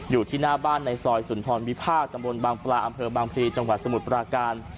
อยู่ที่หน้าบ้านในซอยสุนทรวิพาทจังหวัดสมุทรปราการ